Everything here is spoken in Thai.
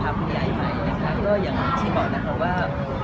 คุณยายใหม่นะคะก็อย่างที่บอกนะคะว่า